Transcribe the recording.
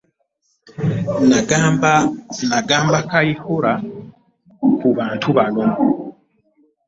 “Nnagamba Kayihura ku bantu bano.